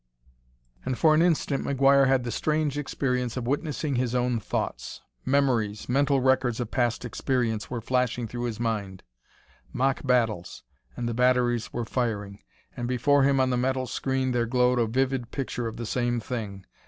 And for an instant McGuire had the strange experience of witnessing his own thoughts. Memories, mental records of past experience, were flashing through his mind; mock battles, and the batteries were firing! And, before him, on the metal screen, there glowed a vivid picture of the same thing.